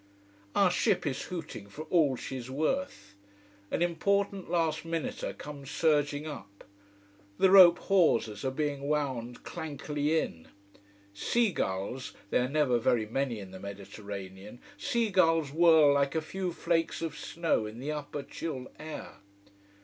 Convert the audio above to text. Our ship is hooting for all she's worth. An important last minuter comes surging up. The rope hawsers are being wound clankily in. Seagulls they are never very many in the Mediterranean seagulls whirl like a few flakes of snow in the upper chill air.